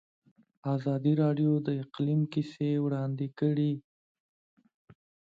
ازادي راډیو د اقلیم کیسې وړاندې کړي.